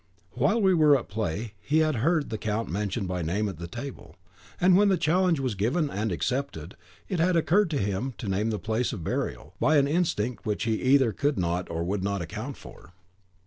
While we were at play, he had heard the count mentioned by name at the table; and when the challenge was given and accepted, it had occurred to him to name the place of burial, by an instinct which he either could not or would not account for."